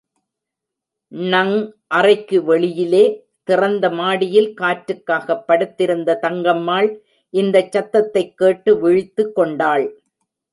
ணங் அறைக்கு வெளியிலே திறந்த மாடியில் காற்றுக்காகப் படுத்திருந்த தங்கம்மாள் இந்தச் சத்தத்தைக் கேட்டு விழித்துக் கொண்டாள்.